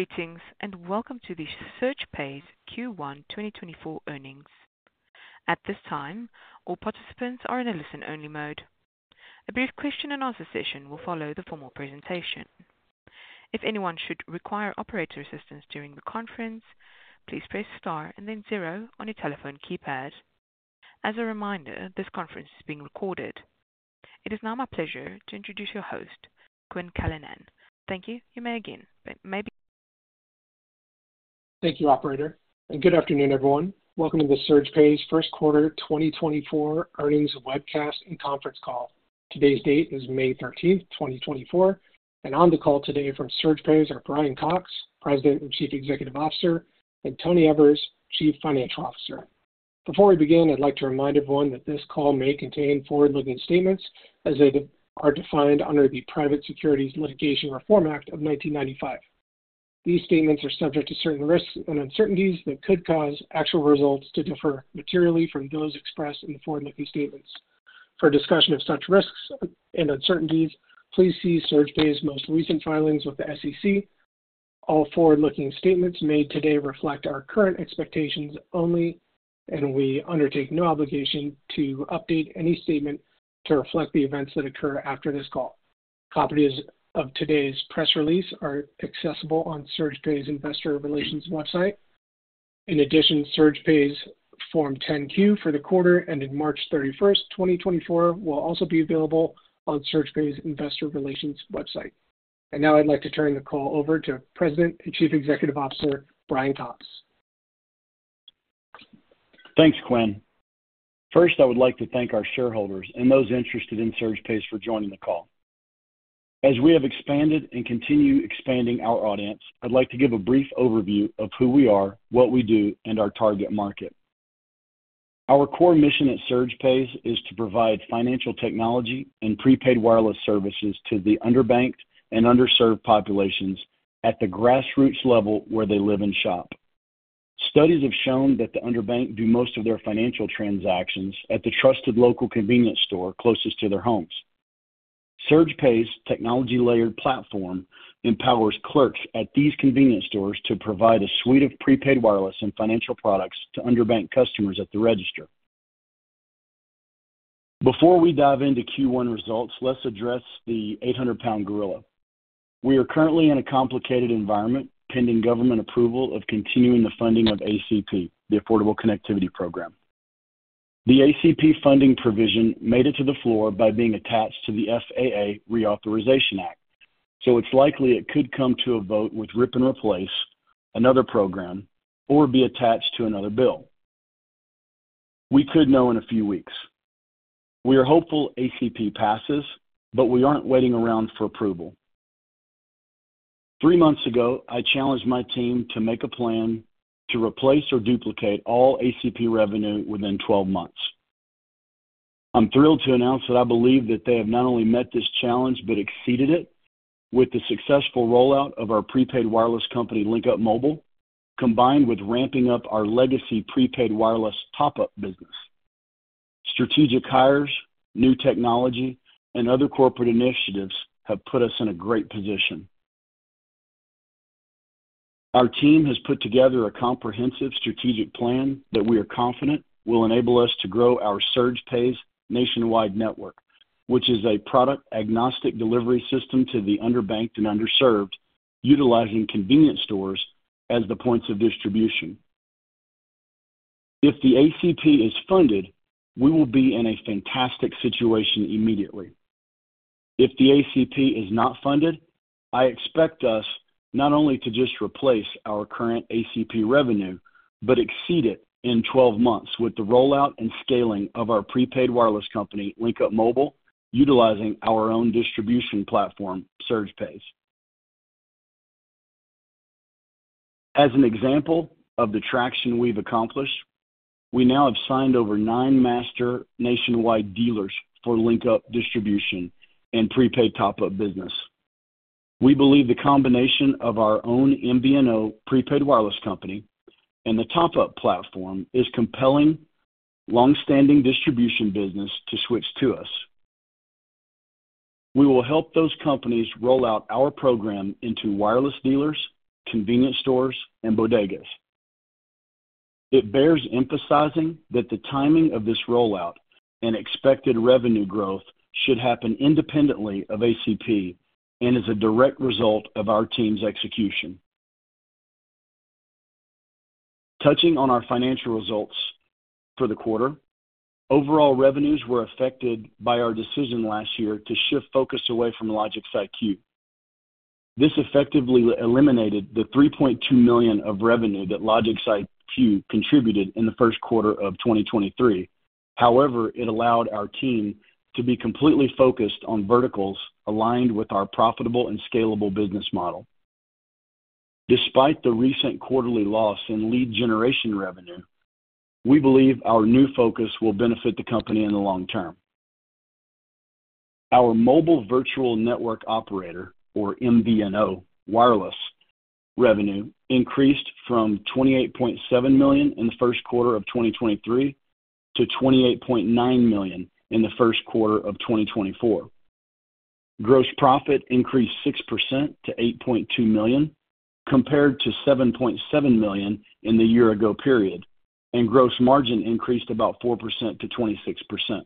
Greetings and welcome to the SurgePays' Q1 2024 earnings. At this time, all participants are in a listen-only mode. A brief question-and-answer session will follow the formal presentation. If anyone should require operator assistance during the conference, please press star and then zero on your telephone keypad. As a reminder, this conference is being recorded. It is now my pleasure to introduce your host, Quinn Callanan. Thank you, you may again maybe. Thank you, operator. And good afternoon, everyone. Welcome to the SurgePays first quarter 2024 earnings webcast and conference call. Today's date is May 13th, 2024, and on the call today from SurgePays are Brian Cox, President and Chief Executive Officer, and Tony Evers, Chief Financial Officer. Before we begin, I'd like to remind everyone that this call may contain forward-looking statements as they are defined under the Private Securities Litigation Reform Act of 1995. These statements are subject to certain risks and uncertainties that could cause actual results to differ materially from those expressed in the forward-looking statements. For a discussion of such risks and uncertainties, please see SurgePays' most recent filings with the SEC. All forward-looking statements made today reflect our current expectations only, and we undertake no obligation to update any statement to reflect the events that occur after this call. Copies of today's press release are accessible on SurgePays' Investor Relations website. In addition, SurgePays' Form 10-Q for the quarter ended March 31st, 2024, will also be available on SurgePays' Investor Relations website. And now I'd like to turn the call over to President and Chief Executive Officer Brian Cox. Thanks, Quinn. First, I would like to thank our shareholders and those interested in SurgePays for joining the call. As we have expanded and continue expanding our audience, I'd like to give a brief overview of who we are, what we do, and our target market. Our core mission at SurgePays is to provide financial technology and prepaid wireless services to the underbanked and underserved populations at the grassroots level where they live and shop. Studies have shown that the underbanked do most of their financial transactions at the trusted local convenience store closest to their homes. SurgePays' technology-layered platform empowers clerks at these convenience stores to provide a suite of prepaid wireless and financial products to underbanked customers at the register. Before we dive into Q1 results, let's address the 800-pound gorilla. We are currently in a complicated environment pending government approval of continuing the funding of ACP, the Affordable Connectivity Program. The ACP funding provision made it to the floor by being attached to the FAA Reauthorization Act, so it's likely it could come to a vote with Rip and Replace, another program, or be attached to another bill. We could know in a few weeks. We are hopeful ACP passes, but we aren't waiting around for approval. Three months ago, I challenged my team to make a plan to replace or duplicate all ACP revenue within 12 months. I'm thrilled to announce that I believe that they have not only met this challenge but exceeded it with the successful rollout of our prepaid wireless company, LinkUp Mobile, combined with ramping up our legacy prepaid wireless top-up business. Strategic hires, new technology, and other corporate initiatives have put us in a great position. Our team has put together a comprehensive strategic plan that we are confident will enable us to grow our SurgePays nationwide network, which is a product-agnostic delivery system to the underbanked and underserved, utilizing convenience stores as the points of distribution. If the ACP is funded, we will be in a fantastic situation immediately. If the ACP is not funded, I expect us not only to just replace our current ACP revenue but exceed it in 12 months with the rollout and scaling of our prepaid wireless company, LinkUp Mobile, utilizing our own distribution platform, SurgePays. As an example of the traction we've accomplished, we now have signed over nine master nationwide dealers for LinkUp distribution and prepaid top-up business. We believe the combination of our own MVNO prepaid wireless company and the top-up platform is compelling longstanding distribution business to switch to us. We will help those companies roll out our program into wireless dealers, convenience stores, and bodegas. It bears emphasizing that the timing of this rollout and expected revenue growth should happen independently of ACP and is a direct result of our team's execution. Touching on our financial results for the quarter, overall revenues were affected by our decision last year to shift focus away from LogicsIQ. This effectively eliminated the $3.2 million of revenue that LogicsIQ contributed in the first quarter of 2023. However, it allowed our team to be completely focused on verticals aligned with our profitable and scalable business model. Despite the recent quarterly loss in lead generation revenue, we believe our new focus will benefit the company in the long term. Our mobile virtual network operator, or MVNO, wireless revenue increased from $28.7 million in the first quarter of 2023 to $28.9 million in the first quarter of 2024. Gross profit increased 6% to $8.2 million compared to $7.7 million in the year-ago period, and gross margin increased about 4% to 26%.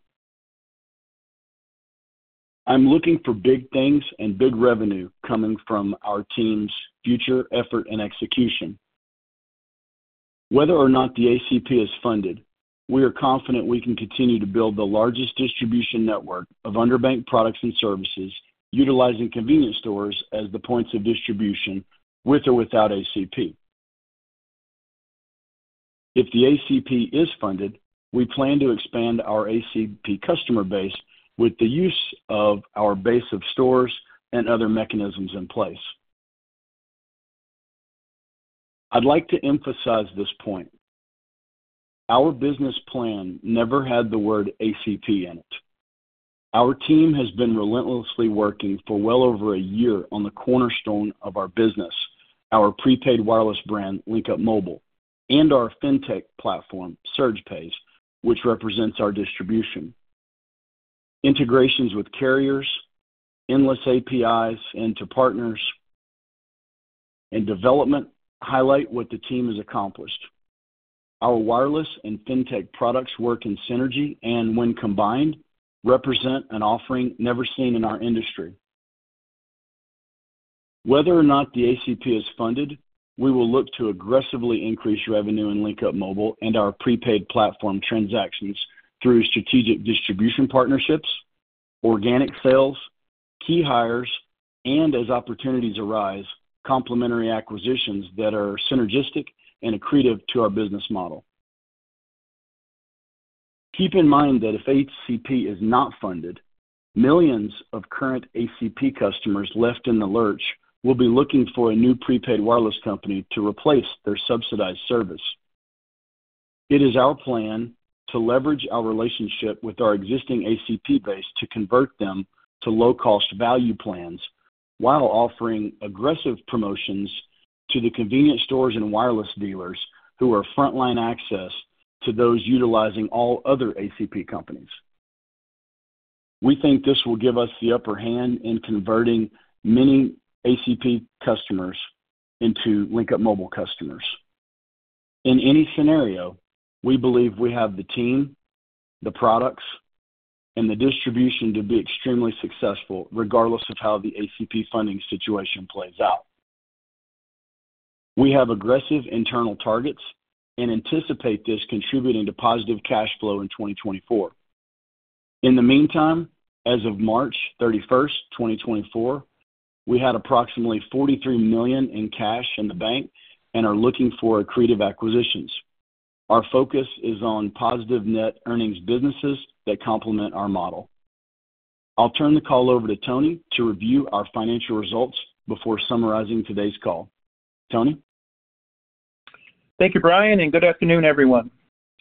I'm looking for big things and big revenue coming from our team's future effort and execution. Whether or not the ACP is funded, we are confident we can continue to build the largest distribution network of underbanked products and services utilizing convenience stores as the points of distribution with or without ACP. If the ACP is funded, we plan to expand our ACP customer base with the use of our base of stores and other mechanisms in place. I'd like to emphasize this point. Our business plan never had the word ACP in it. Our team has been relentlessly working for well over a year on the cornerstone of our business, our prepaid wireless brand, LinkUp Mobile, and our fintech platform, SurgePays, which represents our distribution. Integrations with carriers, endless APIs into partners, and development highlight what the team has accomplished. Our wireless and fintech products work in synergy, and when combined, represent an offering never seen in our industry. Whether or not the ACP is funded, we will look to aggressively increase revenue in LinkUp Mobile and our prepaid platform transactions through strategic distribution partnerships, organic sales, key hires, and, as opportunities arise, complementary acquisitions that are synergistic and accretive to our business model. Keep in mind that if ACP is not funded, millions of current ACP customers left in the lurch will be looking for a new prepaid wireless company to replace their subsidized service. It is our plan to leverage our relationship with our existing ACP base to convert them to low-cost value plans while offering aggressive promotions to the convenience stores and wireless dealers who are frontline access to those utilizing all other ACP companies. We think this will give us the upper hand in converting many ACP customers into LinkUp Mobile customers. In any scenario, we believe we have the team, the products, and the distribution to be extremely successful regardless of how the ACP funding situation plays out. We have aggressive internal targets and anticipate this contributing to positive cash flow in 2024. In the meantime, as of March 31st, 2024, we had approximately $43 million in cash in the bank and are looking for accretive acquisitions. Our focus is on positive net earnings businesses that complement our model. I'll turn the call over to Tony to review our financial results before summarizing today's call. Tony? Thank you, Brian, and good afternoon, everyone.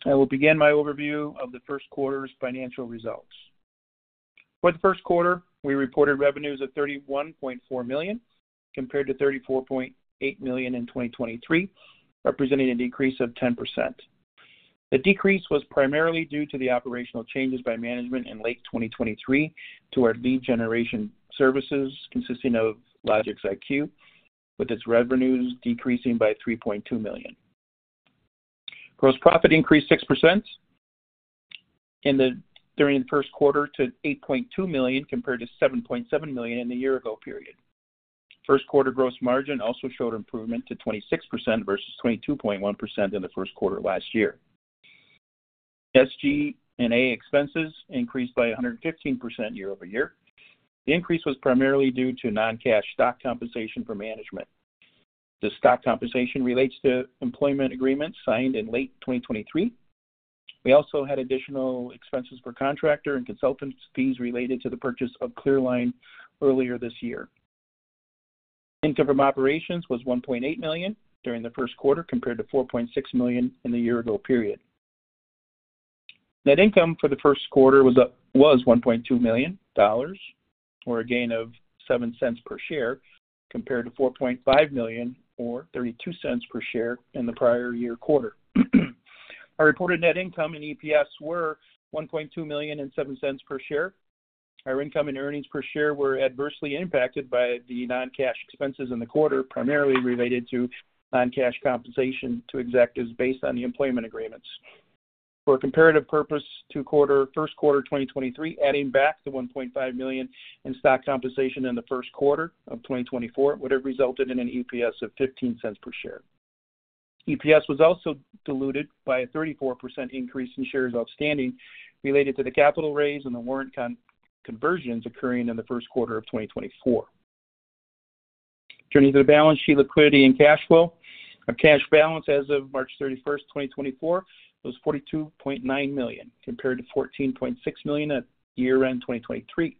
I will begin my overview of the first quarter's financial results. For the first quarter, we reported revenues of $31.4 million compared to $34.8 million in 2023, representing a decrease of 10%. The decrease was primarily due to the operational changes by management in late 2023 to our lead generation services consisting of LogicsIQ, with its revenues decreasing by $3.2 million. Gross profit increased 6% during the first quarter to $8.2 million compared to $7.7 million in the year-ago period. First quarter gross margin also showed improvement to 26% versus 22.1% in the first quarter last year. SG&A expenses increased by 115% year-over-year. The increase was primarily due to non-cash stock compensation for management. The stock compensation relates to employment agreements signed in late 2023. We also had additional expenses for contractor and consultant fees related to the purchase of ClearLine earlier this year. Income from operations was $1.8 million during the first quarter compared to $4.6 million in the year-ago period. Net income for the first quarter was $1.2 million or a gain of $0.07 per share compared to $4.5 million or $0.32 per share in the prior year quarter. Our reported net income and EPS were $1.2 million and $0.07 per share. Our income and earnings per share were adversely impacted by the non-cash expenses in the quarter, primarily related to non-cash compensation to executives based on the employment agreements. For a comparative purpose, first quarter 2023, adding back the $1.5 million in stock compensation in the first quarter of 2024 would have resulted in an EPS of $0.15 per share. EPS was also diluted by a 34% increase in shares outstanding related to the capital raise and the warrant conversions occurring in the first quarter of 2024. Turning to the balance sheet liquidity and cash flow, our cash balance as of March 31st, 2024, was $42.9 million compared to $14.6 million at year-end 2023.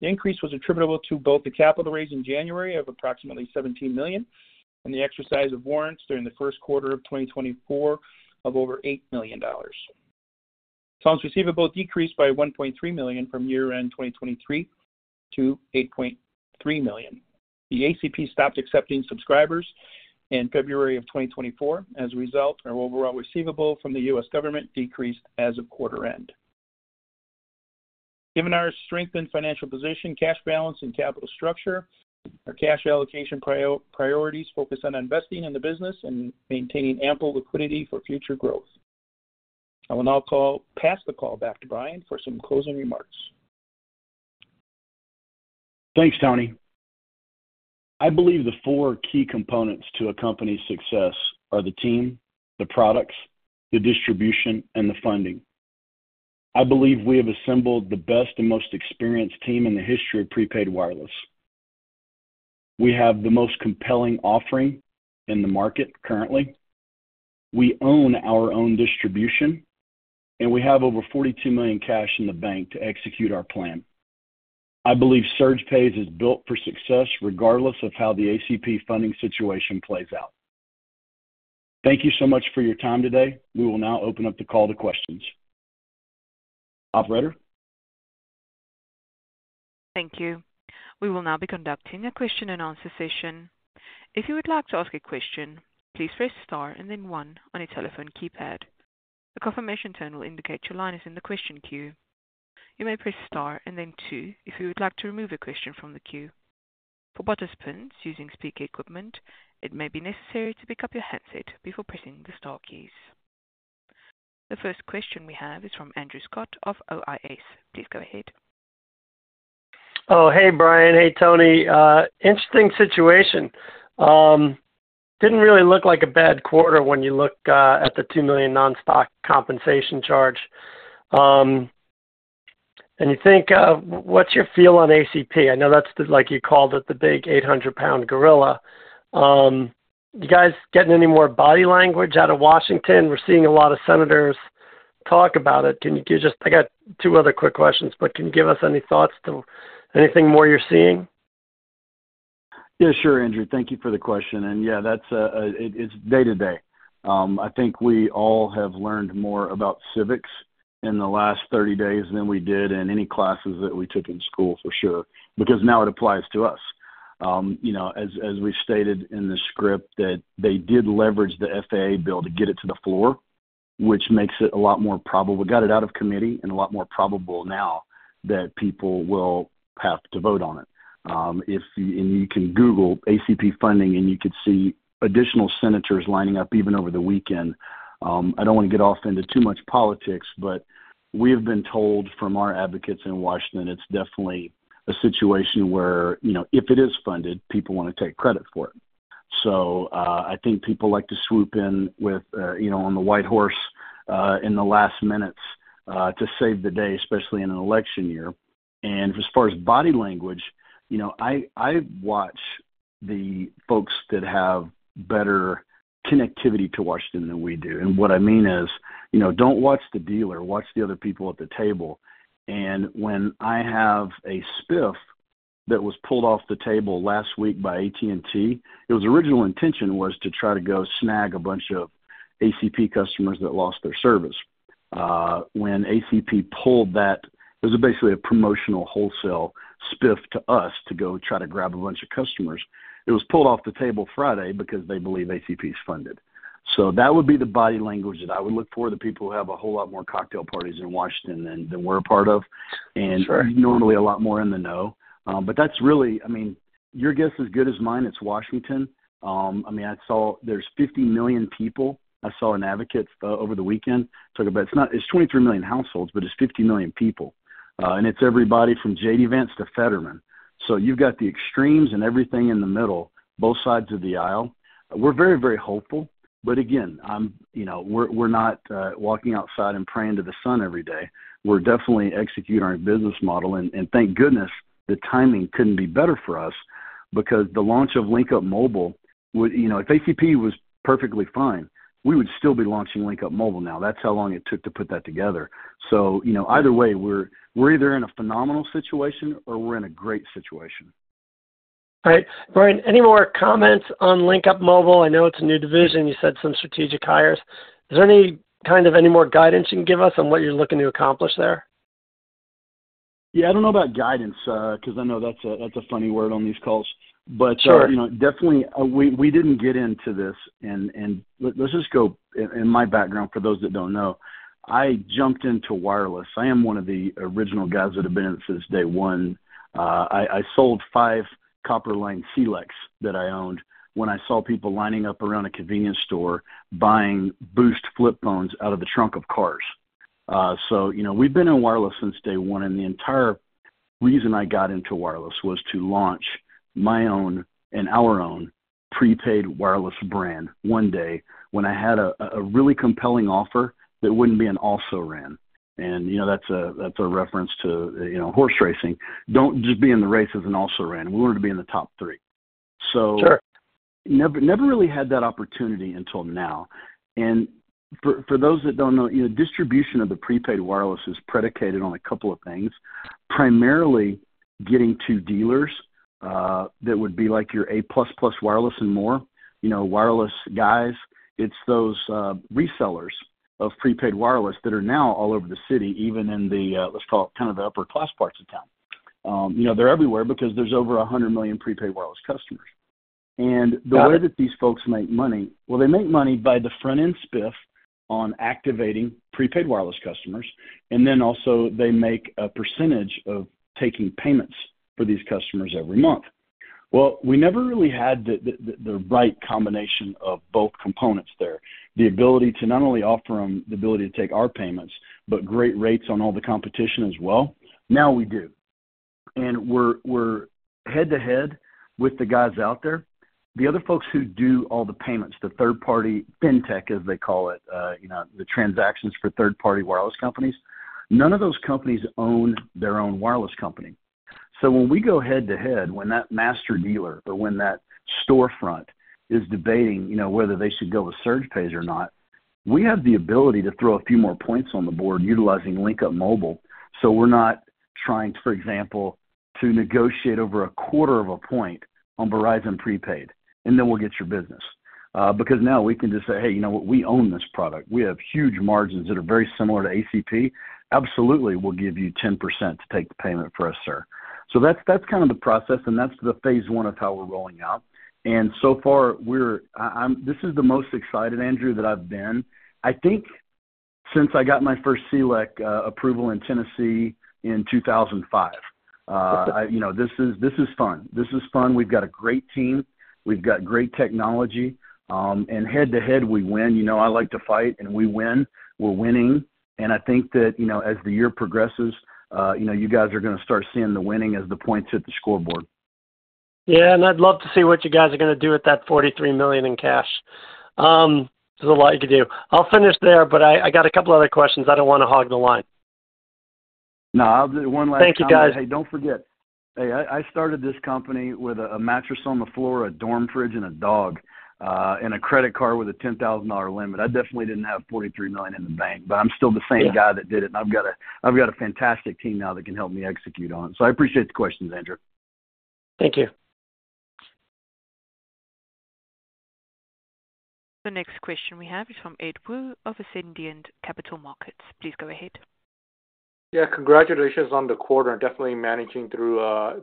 The increase was attributable to both the capital raise in January of approximately $17 million and the exercise of warrants during the first quarter of 2024 of over $8 million. Accounts receivable decreased by $1.3 million from year-end 2023 to $8.3 million. The ACP stopped accepting subscribers in February of 2024. As a result, our overall receivable from the U.S. government decreased as of quarter-end. Given our strengthened financial position, cash balance, and capital structure, our cash allocation priorities focus on investing in the business and maintaining ample liquidity for future growth. I will now pass the call back to Brian for some closing remarks. Thanks, Tony. I believe the four key components to a company's success are the team, the products, the distribution, and the funding. I believe we have assembled the best and most experienced team in the history of prepaid wireless. We have the most compelling offering in the market currently. We own our own distribution, and we have over $42 million cash in the bank to execute our plan. I believe SurgePays is built for success regardless of how the ACP funding situation plays out. Thank you so much for your time today. We will now open up the call to questions. Operator? Thank you. We will now be conducting a question-and-answer session. If you would like to ask a question, please press star and then one on your telephone keypad. A confirmation tone will indicate your line is in the question queue. You may press star and then two if you would like to remove a question from the queue. For participants using speaker equipment, it may be necessary to pick up your headset before pressing the star keys. The first question we have is from Andrew Scott of [OIS]. Please go ahead. Oh, hey, Brian. Hey, Tony. Interesting situation. Didn't really look like a bad quarter when you look at the $2 million non-stock compensation charge. And you think what's your feel on ACP? I know that's the you called it the big 800-pound gorilla. You guys getting any more body language out of Washington? We're seeing a lot of senators talk about it. Can you give just I got two other quick questions, but can you give us any thoughts to anything more you're seeing? Yeah, sure, Andrew. Thank you for the question. Yeah, that's, it's day to day. I think we all have learned more about civics in the last 30 days than we did in any classes that we took in school, for sure, because now it applies to us. As we stated in the script, that they did leverage the FAA bill to get it to the floor, which makes it a lot more probable we got it out of committee and a lot more probable now that people will have to vote on it. You can Google ACP funding, and you could see additional senators lining up even over the weekend. I don't want to get off into too much politics, but we have been told from our advocates in Washington it's definitely a situation where if it is funded, people want to take credit for it. I think people like to swoop in on the white horse in the last minutes to save the day, especially in an election year. As far as body language, I watch the folks that have better connectivity to Washington than we do. What I mean is don't watch the dealer. Watch the other people at the table. When I have a spiff that was pulled off the table last week by AT&T, its original intention was to try to go snag a bunch of ACP customers that lost their service. When ACP pulled that it was basically a promotional wholesale spiff to us to go try to grab a bunch of customers. It was pulled off the table Friday because they believe ACP is funded. So that would be the body language that I would look for, the people who have a whole lot more cocktail parties in Washington than we're a part of and normally a lot more in the know. But that's really I mean, your guess is good as mine. It's Washington. I mean, I saw there's 50 million people. I saw an advocate over the weekend talk about it's 23 million households, but it's 50 million people. And it's everybody from J.D. Vance to Fetterman. So you've got the extremes and everything in the middle, both sides of the aisle. We're very, very hopeful. But again, we're not walking outside and praying to the sun every day. We're definitely executing our business model. Thank goodness the timing couldn't be better for us because the launch of LinkUp Mobile would if ACP was perfectly fine, we would still be launching LinkUp Mobile now. That's how long it took to put that together. So either way, we're either in a phenomenal situation or we're in a great situation. All right. Brian, any more comments on LinkUp Mobile? I know it's a new division. You said some strategic hires. Is there any kind of any more guidance you can give us on what you're looking to accomplish there? Yeah, I don't know about guidance because I know that's a funny word on these calls. But definitely, we didn't get into this and let's just go in my background for those that don't know. I jumped into wireless. I am one of the original guys that have been in this since day one. I sold five copper-line CLEC that I owned when I saw people lining up around a convenience store buying Boost flip phones out of the trunk of cars. So we've been in wireless since day one. And the entire reason I got into wireless was to launch my own and our own prepaid wireless brand one day when I had a really compelling offer that wouldn't be an also ran. And that's a reference to horse racing. Don't just be in the races an also ran. We wanted to be in the top three. So never really had that opportunity until now. And for those that don't know, distribution of the prepaid wireless is predicated on a couple of things, primarily getting to dealers that would be like your A++ Wireless and More, wireless guys. It's those resellers of prepaid wireless that are now all over the city, even in the, let's call it, kind of the upper-class parts of town. They're everywhere because there's over 100 million prepaid wireless customers. And the way that these folks make money, well, they make money by the front-end spiff on activating prepaid wireless customers. And then also, they make a percentage of taking payments for these customers every month. Well, we never really had the right combination of both components there, the ability to not only offer them the ability to take our payments but great rates on all the competition as well. Now we do. We're head to head with the guys out there. The other folks who do all the payments, the third-party fintech, as they call it, the transactions for third-party wireless companies, none of those companies own their own wireless company. So when we go head to head, when that master dealer or when that storefront is debating whether they should go with SurgePays or not, we have the ability to throw a few more points on the board utilizing LinkUp Mobile so we're not trying, for example, to negotiate over a quarter of a point on Verizon Prepaid, and then we'll get your business. Because now we can just say, "Hey, we own this product. We have huge margins that are very similar to ACP. Absolutely, we'll give you 10% to take the payment for us, sir." So that's kind of the process, and that's the phase one of how we're rolling out. And so far, this is the most excited, Andrew, that I've been. I think since I got my first CLEC approval in Tennessee in 2005, this is fun. This is fun. We've got a great team. We've got great technology. And head to head, we win. I like to fight, and we win. We're winning. And I think that as the year progresses, you guys are going to start seeing the winning as the points hit the scoreboard. Yeah. I'd love to see what you guys are going to do with that $43 million in cash. There's a lot you could do. I'll finish there, but I got a couple of other questions. I don't want to hog the line. No, I'll do one last thing. Thank you, guys. Hey, don't forget. Hey, I started this company with a mattress on the floor, a dorm fridge, and a dog, and a credit card with a $10,000 limit. I definitely didn't have $43 million in the bank, but I'm still the same guy that did it. And I've got a fantastic team now that can help me execute on it. So I appreciate the questions, Andrew. Thank you. The next question we have is from Ed Woo of Ascendiant Capital Markets. Please go ahead. Yeah. Congratulations on the quarter. Definitely managing through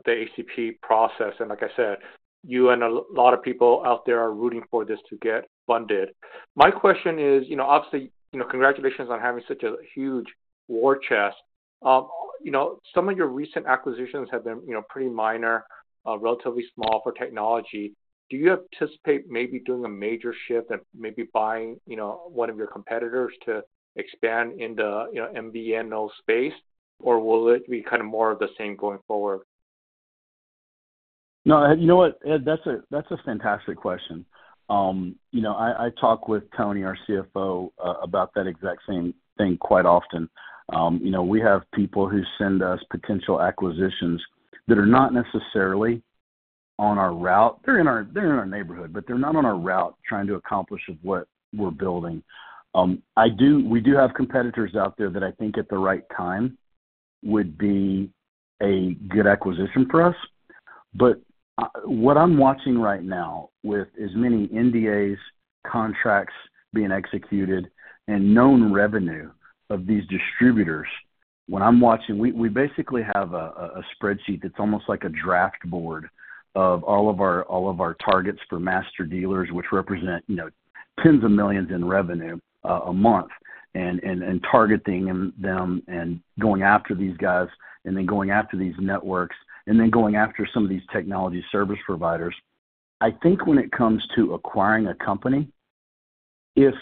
the ACP process. And like I said, you and a lot of people out there are rooting for this to get funded. My question is, obviously, congratulations on having such a huge war chest. Some of your recent acquisitions have been pretty minor, relatively small for technology. Do you anticipate maybe doing a major shift and maybe buying one of your competitors to expand in the MVNO space, or will it be kind of more of the same going forward? No, you know what, Ed? That's a fantastic question. I talk with Tony, our CFO, about that exact same thing quite often. We have people who send us potential acquisitions that are not necessarily on our route. They're in our neighborhood, but they're not on our route trying to accomplish what we're building. We do have competitors out there that I think at the right time would be a good acquisition for us. But what I'm watching right now with as many NDAs, contracts being executed, and known revenue of these distributors, when I'm watching we basically have a spreadsheet that's almost like a draft board of all of our targets for master dealers, which represent tens of millions in revenue a month, and targeting them and going after these guys and then going after these networks and then going after some of these technology service providers. I think when it comes to acquiring a company, if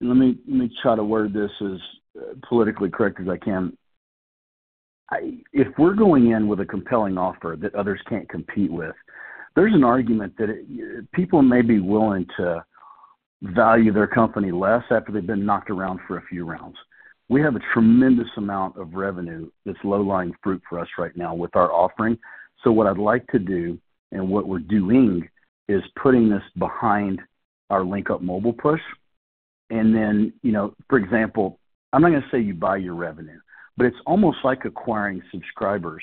let me try to word this as politically correct as I can. If we're going in with a compelling offer that others can't compete with, there's an argument that people may be willing to value their company less after they've been knocked around for a few rounds. We have a tremendous amount of revenue. It's low-lying fruit for us right now with our offering. So what I'd like to do and what we're doing is putting this behind our LinkUp Mobile push. And then, for example, I'm not going to say you buy your revenue, but it's almost like acquiring subscribers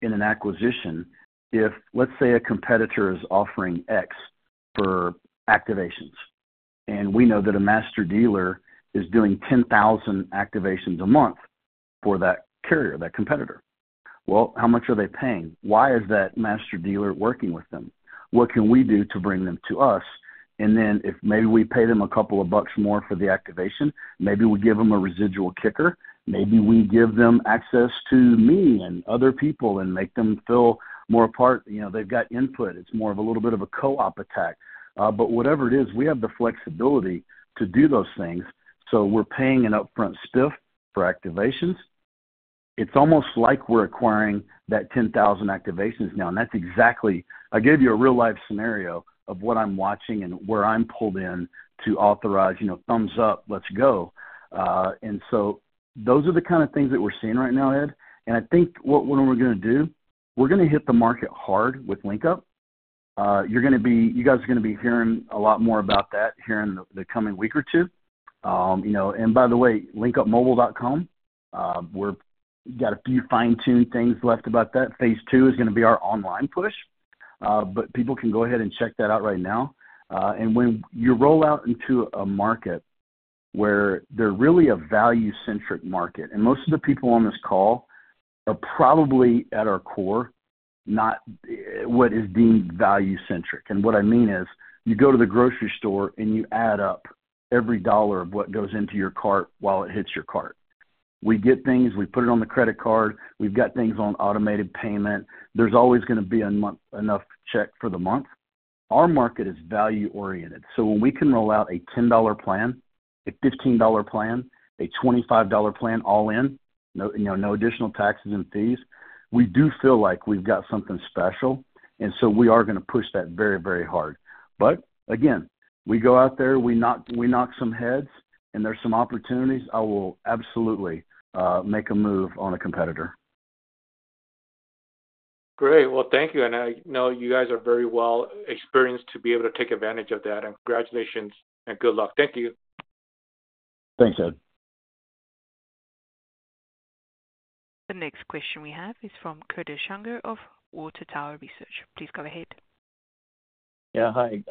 in an acquisition if, let's say, a competitor is offering X for activations. And we know that a master dealer is doing 10,000 activations a month for that carrier, that competitor. Well, how much are they paying? Why is that master dealer working with them? What can we do to bring them to us? And then if maybe we pay them a couple of bucks more for the activation, maybe we give them a residual kicker. Maybe we give them access to me and other people and make them feel more a part. They've got input. It's more of a little bit of a co-op attack. But whatever it is, we have the flexibility to do those things. So we're paying an upfront spiff for activations. It's almost like we're acquiring that 10,000 activations now. And that's exactly I gave you a real-life scenario of what I'm watching and where I'm pulled in to authorize, "Thumbs up. Let's go." And so those are the kind of things that we're seeing right now, Ed. I think what we're going to do, we're going to hit the market hard with LinkUp. You guys are going to be hearing a lot more about that here in the coming week or two. And by the way, LinkUpMobile.com, we've got a few fine-tuned things left about that. Phase two is going to be our online push. But people can go ahead and check that out right now. And when you roll out into a market where they're really a value-centric market and most of the people on this call are probably at our core, not what is deemed value-centric. And what I mean is you go to the grocery store, and you add up every dollar of what goes into your cart while it hits your cart. We get things. We put it on the credit card. We've got things on automated payment. There's always going to be enough check for the month. Our market is value-oriented. So when we can roll out a $10 plan, a $15 plan, a $25 plan all in, no additional taxes and fees, we do feel like we've got something special. And so we are going to push that very, very hard. But again, we go out there. We knock some heads, and there's some opportunities. I will absolutely make a move on a competitor. Great. Well, thank you. And I know you guys are very well experienced to be able to take advantage of that. And congratulations and good luck. Thank you. Thanks, Ed. The next question we have is from Curtis Shauger of Water Tower Research. Please go ahead. Yeah. Hi.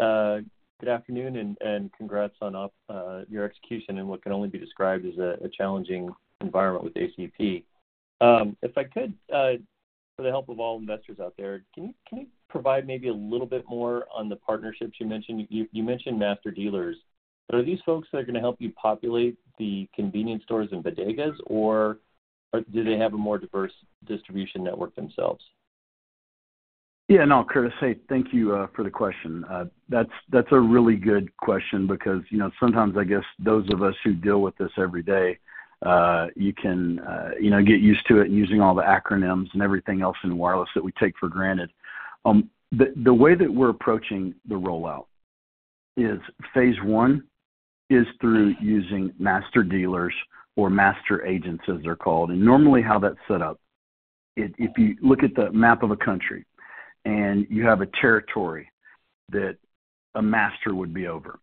Good afternoon, and congrats on your execution in what can only be described as a challenging environment with ACP. If I could, for the help of all investors out there, can you provide maybe a little bit more on the partnerships you mentioned? You mentioned master dealers. Are these folks that are going to help you populate the convenience stores and bodegas, or do they have a more diverse distribution network themselves? Yeah. No, Curtis, thank you for the question. That's a really good question because sometimes, I guess, those of us who deal with this every day, you can get used to it and using all the acronyms and everything else in wireless that we take for granted. The way that we're approaching the rollout is phase one is through using master dealers or master agents, as they're called. Normally, how that's set up, if you look at the map of a country and you have a territory that a master would be over,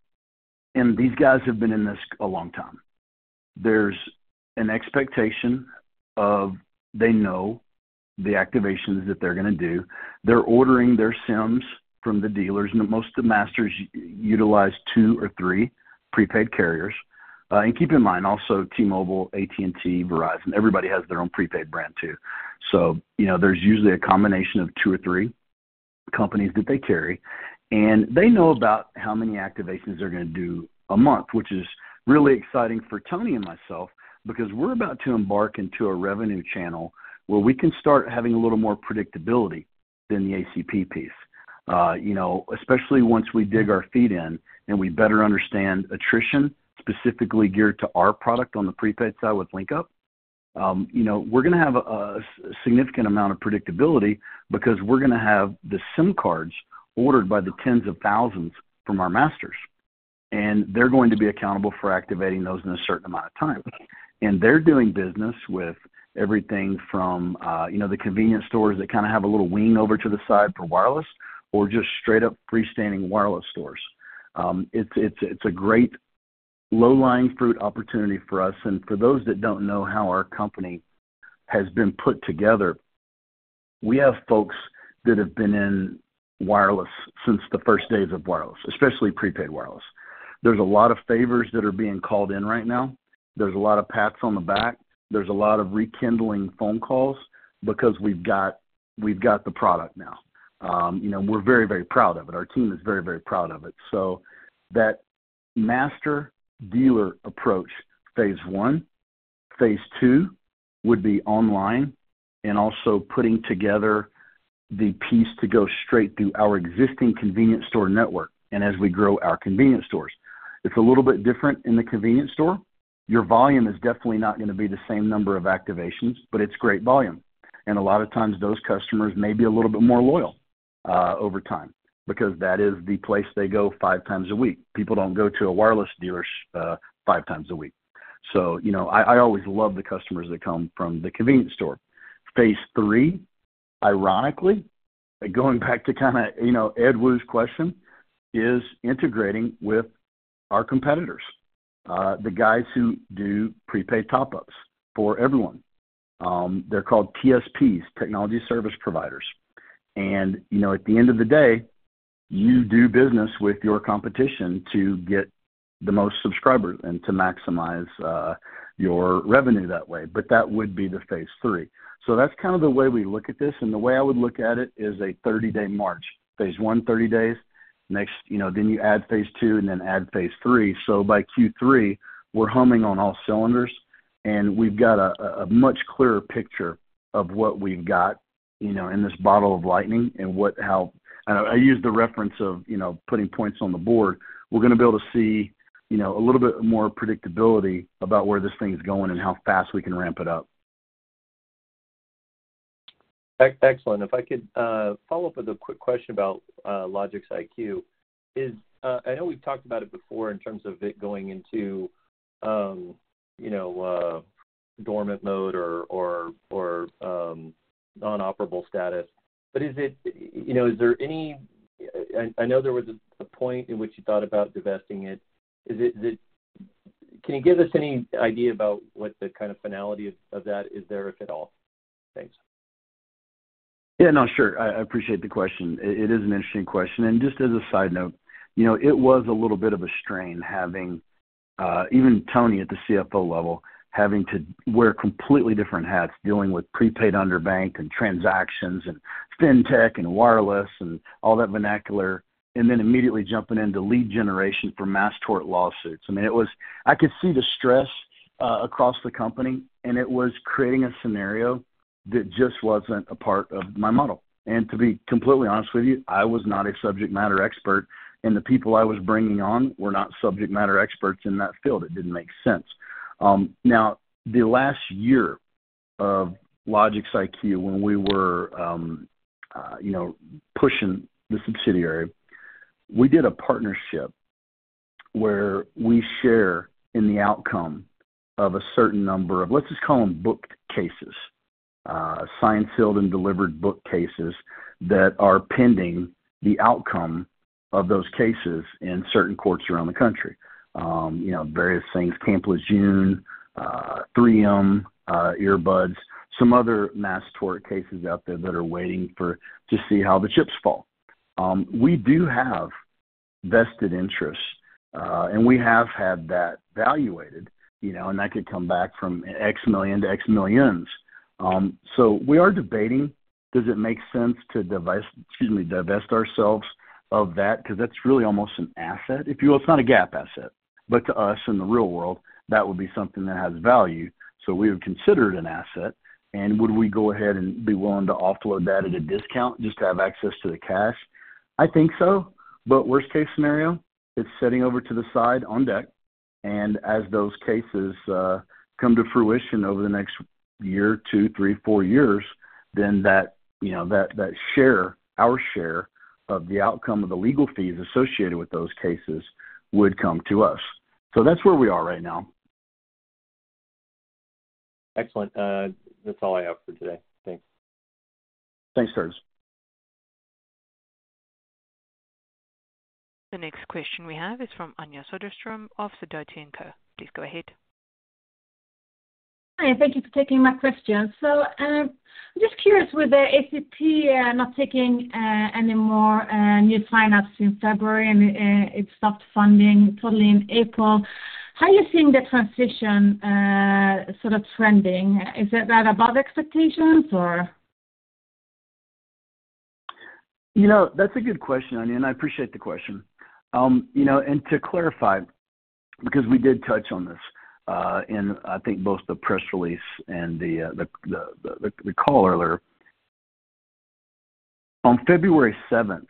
and these guys have been in this a long time, there's an expectation of they know the activations that they're going to do. They're ordering their SIMs from the dealers. Most of the masters utilize two or three prepaid carriers. Keep in mind also, T-Mobile, AT&T, Verizon, everybody has their own prepaid brand too. So there's usually a combination of two or three companies that they carry. And they know about how many activations they're going to do a month, which is really exciting for Tony and myself because we're about to embark into a revenue channel where we can start having a little more predictability than the ACP piece, especially once we dig our feet in and we better understand attrition, specifically geared to our product on the prepaid side with LinkUp. We're going to have a significant amount of predictability because we're going to have the SIM cards ordered by the tens of thousands from our masters. And they're going to be accountable for activating those in a certain amount of time. And they're doing business with everything from the convenience stores that kind of have a little wing over to the side for wireless or just straight-up freestanding wireless stores. It's a great low-hanging fruit opportunity for us. For those that don't know how our company has been put together, we have folks that have been in wireless since the first days of wireless, especially prepaid wireless. There's a lot of favors that are being called in right now. There's a lot of pats on the back. There's a lot of rekindling phone calls because we've got the product now. We're very, very proud of it. Our team is very, very proud of it. So that master dealer approach, phase I. Phase II would be online and also putting together the piece to go straight through our existing convenience store network and as we grow our convenience stores. It's a little bit different in the convenience store. Your volume is definitely not going to be the same number of activations, but it's great volume. And a lot of times, those customers may be a little bit more loyal over time because that is the place they go five times a week. People don't go to a wireless dealer five times a week. So I always love the customers that come from the convenience store. Phase III, ironically, going back to kind of Ed Woo's question, is integrating with our competitors, the guys who do prepaid top-ups for everyone. They're called TSPs, technology service providers. And at the end of the day, you do business with your competition to get the most subscribers and to maximize your revenue that way. But that would be the phase three. So that's kind of the way we look at this. And the way I would look at it is a 30-day march, phase one, 30 days. Then you add phase two, and then add phase three. By Q3, we're humming on all cylinders. We've got a much clearer picture of what we've got in this bottle of lightning and how I use the reference of putting points on the board. We're going to be able to see a little bit more predictability about where this thing's going and how fast we can ramp it up. Excellent. If I could follow up with a quick question about LogicsIQ. I know we've talked about it before in terms of it going into dormant mode or non-operable status. But is there any? I know there was a point in which you thought about divesting it. Can you give us any idea about what the kind of finality of that is there, if at all? Thanks. Yeah. No, sure. I appreciate the question. It is an interesting question. Just as a side note, it was a little bit of a strain having even Tony at the CFO level, having to wear completely different hats, dealing with prepaid underbanked and transactions and fintech and wireless and all that vernacular, and then immediately jumping into lead generation for mass tort lawsuits. I mean, I could see the stress across the company. It was creating a scenario that just wasn't a part of my model. To be completely honest with you, I was not a subject matter expert. The people I was bringing on were not subject matter experts in that field. It didn't make sense. Now, the last year of LogicsIQ, when we were pushing the subsidiary, we did a partnership where we share in the outcome of a certain number of let's just call them booked cases, signed, sealed, and delivered booked cases that are pending the outcome of those cases in certain courts around the country, various things, Camp Lejeune, 3M earbuds, some other mass tort cases out there that are waiting to see how the chips fall. We do have vested interests. And we have had that valuated. And that could come back from X million to X millions. So we are debating, "Does it make sense to, excuse me, divest ourselves of that?" because that's really almost an asset, if you will. It's not a gap asset. But to us in the real world, that would be something that has value. So we would consider it an asset. Would we go ahead and be willing to offload that at a discount just to have access to the cash? I think so. But worst-case scenario, it's setting over to the side on deck. As those cases come to fruition over the next year, two, three, four years, then that share, our share of the outcome of the legal fees associated with those cases would come to us. So that's where we are right now. Excellent. That's all I have for today. Thanks. Thanks, Kurt. The next question we have is from Anja Soderstrom of Sidoti & Co. Please go ahead. Hi. Thank you for taking my question. I'm just curious, with ACP not taking any more new finance in February and it stopped funding totally in April, how are you seeing the transition sort of trending? Is that above expectations, or? That's a good question, Anja. I appreciate the question. To clarify, because we did touch on this in, I think, both the press release and the call earlier, on February 7th,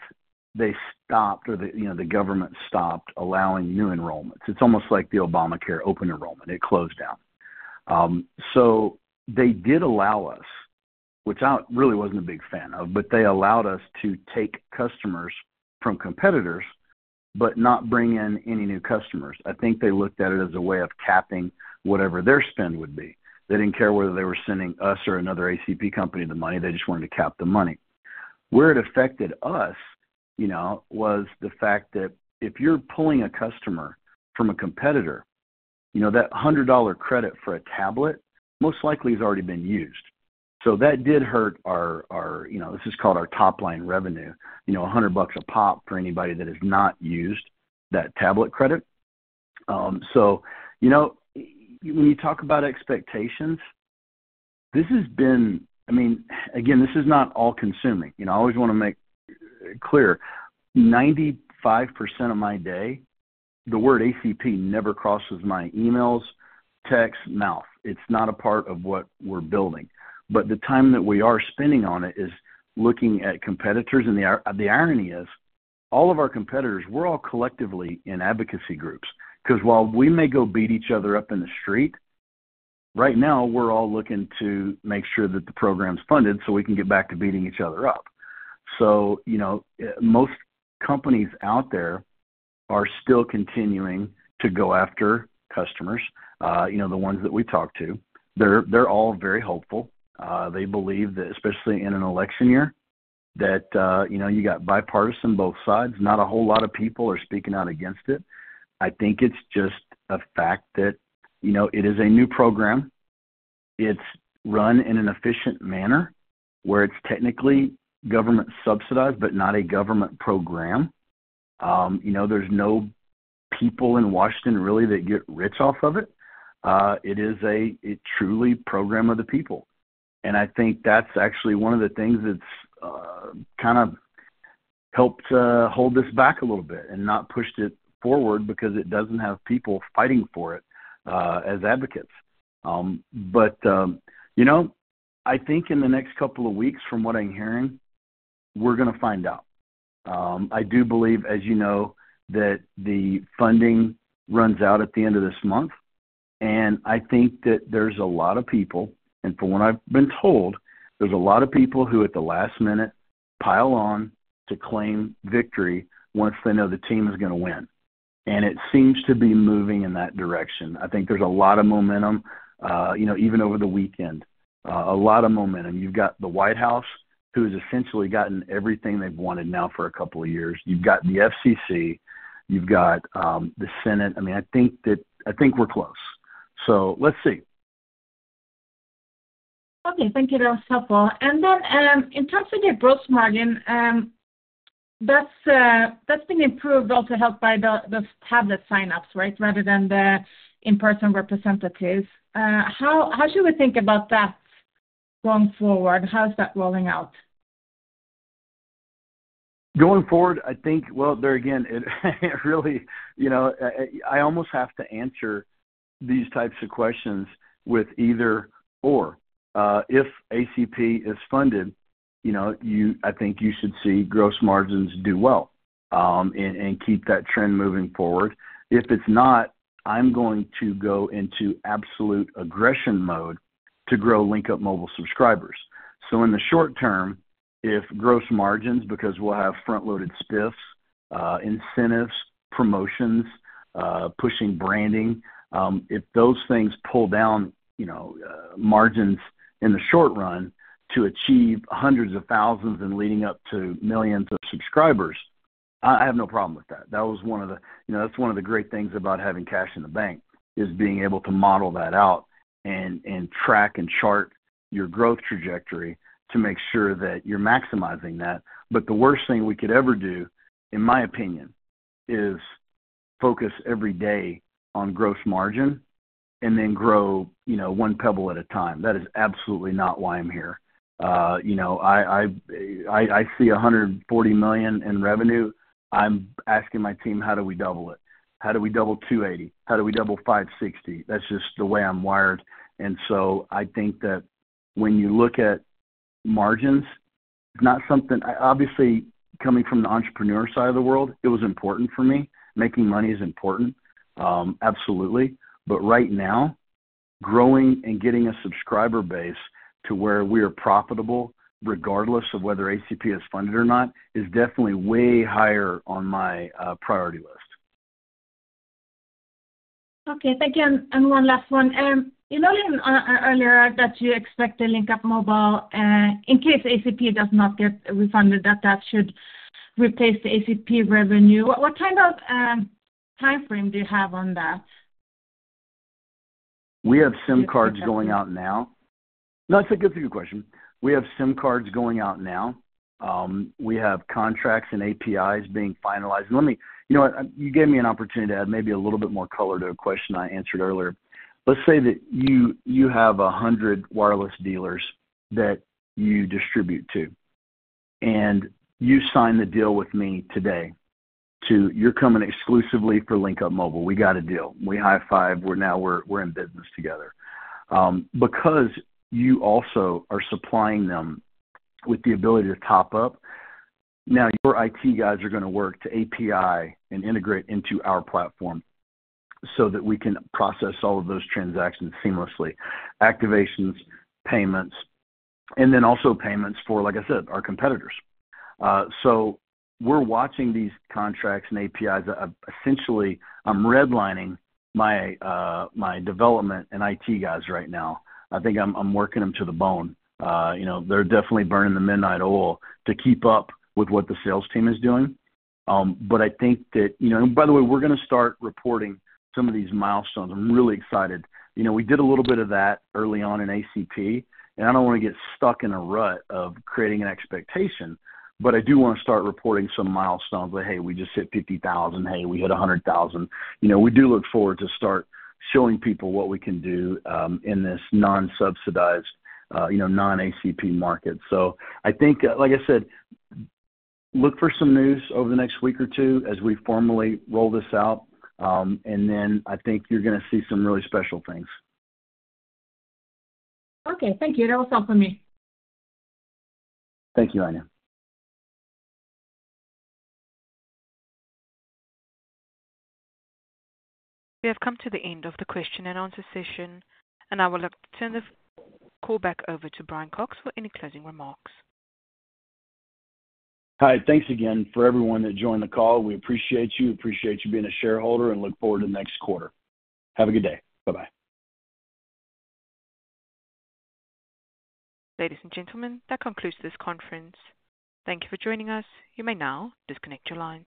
they stopped or the government stopped allowing new enrollments. It's almost like the Obamacare open enrollment. It closed down. They did allow us, which I really wasn't a big fan of, but they allowed us to take customers from competitors but not bring in any new customers. I think they looked at it as a way of capping whatever their spend would be. They didn't care whether they were sending us or another ACP company the money. They just wanted to cap the money. Where it affected us was the fact that if you're pulling a customer from a competitor, that $100 credit for a tablet most likely has already been used. So that did hurt our, this is called our top-line revenue, $100 a pop for anybody that has not used that tablet credit. So when you talk about expectations, this has been, I mean, again, this is not all-consuming. I always want to make it clear. 95% of my day, the word ACP never crosses my emails, texts, mouth. It's not a part of what we're building. But the time that we are spending on it is looking at competitors. And the irony is all of our competitors, we're all collectively in advocacy groups. Because while we may go beat each other up in the street, right now, we're all looking to make sure that the program's funded so we can get back to beating each other up. So most companies out there are still continuing to go after customers, the ones that we talk to. They're all very hopeful. They believe that, especially in an election year, that you got bipartisan both sides. Not a whole lot of people are speaking out against it. I think it's just a fact that it is a new program. It's run in an efficient manner where it's technically government-subsidized but not a government program. There's no people in Washington, really, that get rich off of it. It is truly a program of the people. I think that's actually one of the things that's kind of helped hold this back a little bit and not pushed it forward because it doesn't have people fighting for it as advocates. I think in the next couple of weeks, from what I'm hearing, we're going to find out. I do believe, as you know, that the funding runs out at the end of this month. I think that there's a lot of people and from what I've been told, there's a lot of people who, at the last minute, pile on to claim victory once they know the team is going to win. And it seems to be moving in that direction. I think there's a lot of momentum even over the weekend, a lot of momentum. You've got the White House, who has essentially gotten everything they've wanted now for a couple of years. You've got the FCC. You've got the Senate. I mean, I think we're close. So let's see. Okay. Thank you. That was helpful. And then in terms of the gross margin, that's been improved also helped by those tablet sign-ups, right, rather than the in-person representatives. How should we think about that going forward? How's that rolling out? Going forward, I think, well, I almost have to answer these types of questions with either/or. If ACP is funded, I think you should see gross margins do well and keep that trend moving forward. If it's not, I'm going to go into absolute aggression mode to grow LinkUp Mobile subscribers. So in the short term, if gross margins because we'll have front-loaded spiffs, incentives, promotions, pushing branding, if those things pull down margins in the short run to achieve hundreds of thousands and leading up to millions of subscribers, I have no problem with that. That's one of the great things about having cash in the bank is being able to model that out and track and chart your growth trajectory to make sure that you're maximizing that. But the worst thing we could ever do, in my opinion, is focus every day on gross margin and then grow one pebble at a time. That is absolutely not why I'm here. I see $140 million in revenue. I'm asking my team, "How do we double it? How do we double $280 million? How do we double $560 million?" That's just the way I'm wired. And so I think that when you look at margins, it's not something obviously, coming from the entrepreneur side of the world, it was important for me. Making money is important, absolutely. But right now, growing and getting a subscriber base to where we are profitable regardless of whether ACP is funded or not is definitely way higher on my priority list. Okay. Thank you. And one last one. You noted earlier that you expect the LinkUp Mobile, in case ACP does not get refunded, that that should replace the ACP revenue. What kind of time frame do you have on that? We have SIM cards going out now. No, that's a good question. We have SIM cards going out now. We have contracts and APIs being finalized. And let me. You gave me an opportunity to add maybe a little bit more color to a question I answered earlier. Let's say that you have 100 wireless dealers that you distribute to. And you sign the deal with me today to, "You're coming exclusively for LinkUp Mobile. We got a deal. We high-five. Now, we're in business together." Because you also are supplying them with the ability to top up, now, your IT guys are going to work to API and integrate into our platform so that we can process all of those transactions seamlessly, activations, payments, and then also payments for, like I said, our competitors. So we're watching these contracts and APIs. Essentially, I'm redlining my development and IT guys right now. I think I'm working them to the bone. They're definitely burning the midnight oil to keep up with what the sales team is doing. I think that and by the way, we're going to start reporting some of these milestones. I'm really excited. We did a little bit of that early on in ACP. I don't want to get stuck in a rut of creating an expectation. I do want to start reporting some milestones like, "Hey, we just hit 50,000. Hey, we hit 100,000." We do look forward to start showing people what we can do in this non-subsidized, non-ACP market. I think, like I said, look for some news over the next week or two as we formally roll this out. Then I think you're going to see some really special things. Okay. Thank you. That was helpful to me. Thank you, Anja. We have come to the end of the question-and-answer session. I will turn the call back over to Brian Cox for any closing remarks. Hi. Thanks again for everyone that joined the call. We appreciate you. Appreciate you being a shareholder. Look forward to the next quarter. Have a good day. Bye-bye. Ladies and gentlemen, that concludes this conference. Thank you for joining us. You may now disconnect your lines.